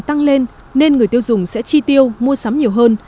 nhờ thu nhập ngày càng tăng lên nên người tiêu dùng sẽ chi tiêu mua sắm nhiều hơn